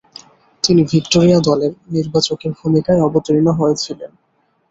তিনি ভিক্টোরিয়া দলের নির্বাচকের ভূমিকায় অবতীর্ণ হয়েছিলেন।